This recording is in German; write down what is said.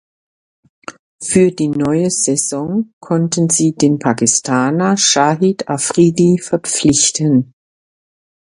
Für die neue Saison konnten sie den Pakistaner Shahid Afridi verpflichten.